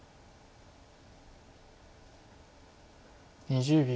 ２０秒。